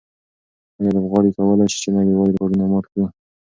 آیا لوبغاړي کولای شي چې نړیوال ریکارډونه مات کړي؟